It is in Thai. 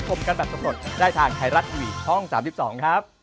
สวัสดีครับ